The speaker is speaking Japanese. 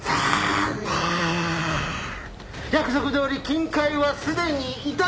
約束どおり金塊はすでに頂いた！